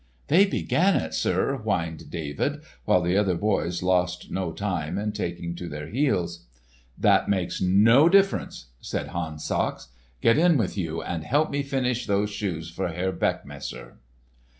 "They began it, sir!" whined David, while the other boys lost no time in taking to their heels. "That makes no difference," said Hans Sachs. "Get in with you and help me finish those shoes for Herr Beckmesser."